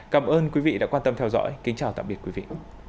cảm ơn quý vị đã quan tâm theo dõi kính chào tạm biệt quý vị